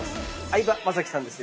相葉雅紀さんです。